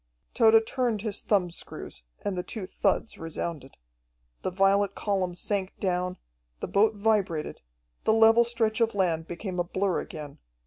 Tode turned his thumbscrews, and the two thuds resounded. The violet column sank down, the boat vibrated, the level stretch of land became a blur again.